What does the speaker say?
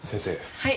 はい。